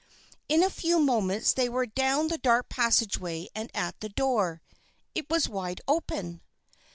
In a few moments they were down the dark passageway and at the door. It was wide open.